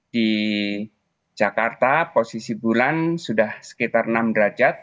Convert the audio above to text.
di jakarta posisi bulan sudah sekitar enam derajat